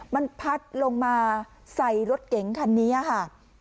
มันพัดลงมาใส่รถเก๋งคันนี้ค่ะ